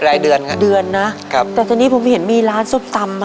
รายเดือนครับ